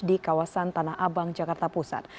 di kawasan tanah abang jakarta pusat